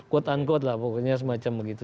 quote unquote lah pokoknya semacam begitu